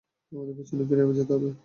আমাদের পিছনে ফিরে যেতে হবে।